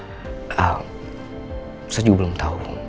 saya juga belum tau